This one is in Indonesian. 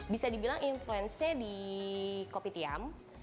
bisa dibilang influence di kopitiam